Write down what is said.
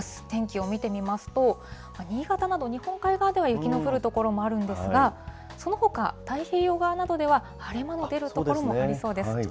天気を見てみますと、新潟など日本海側では雪の降る所もあるんですが、そのほか太平洋側などでは、晴れ間の出る所もありそうです。